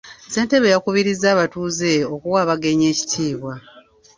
Ssentebe yakubirizza abatuuze okuwa abagenyi ekitiibwa.